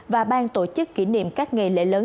và ban tổ chức kỷ niệm các ngày lễ lớn